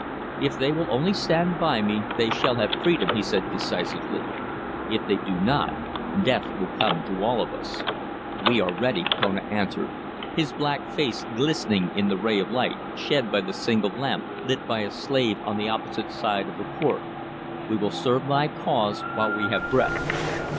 "If they will only stand by me they shall have freedom," he said decisively. "If they do not, death will come to all of us." "We are ready," Kona answered, his black face glistening in the ray of light shed by a single lamp lit by a slave on the opposite side of the court. "We will serve thy cause while we have breath."